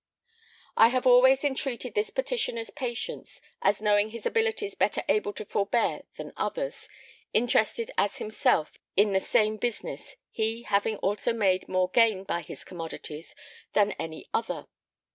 I have often entreated this petitioner's patience, as knowing his abilities better able to forbear than others, interested as himself in the same business, he having also made more gain by his commodities than any other.